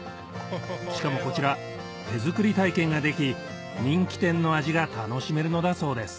しかもこちら手作り体験ができ人気店の味が楽しめるのだそうです